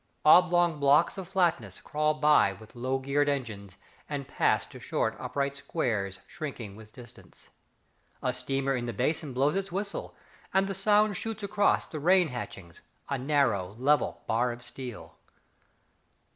Oblong blocks of flatness Crawl by with low geared engines, And pass to short upright squares Shrinking with distance. A steamer in the basin blows its whistle, And the sound shoots across the rain hatchings, A narrow, level bar of steel.